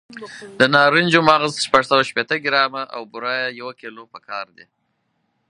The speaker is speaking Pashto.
د نارنجو مغز شپږ سوه شپېته ګرامه او بوره یو کیلو پکار دي.